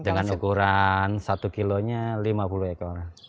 dengan ukuran satu kilonya lima puluh ekor